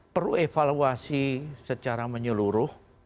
perlu evaluasi secara menyeluruh